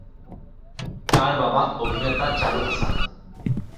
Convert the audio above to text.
তার বাবা অভিনেতা চারুহাসান।